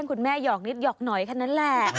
คุณแม่หยอกนิดหยอกหน่อยแค่นั้นแหละ